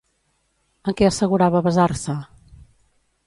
En què assegurava basar-se?